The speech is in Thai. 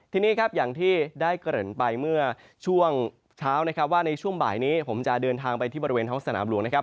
ทีนี้ครับอย่างที่ได้เกริ่นไปเมื่อช่วงเช้านะครับว่าในช่วงบ่ายนี้ผมจะเดินทางไปที่บริเวณท้องสนามหลวงนะครับ